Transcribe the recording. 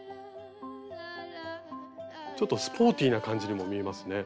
ちょっとスポーティーな感じにも見えますね。